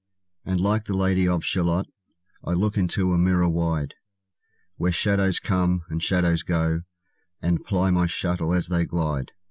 And like the Lady of Shalott I look into a mirror wide, Where shadows come, and shadows go, And ply my shuttle as they glide.